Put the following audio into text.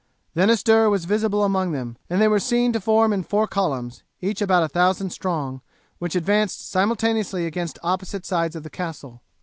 Then a stir was visible among them, and they were seen to form in four columns, each about a thousand strong, which advanced simultaneously against opposite sides of the castle.